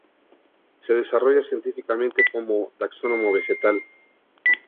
Se desarrolla científicamente como taxónomo vegetal.